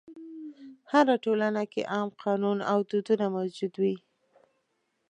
هره ټولنه کې عام قانون او دودونه موجود وي.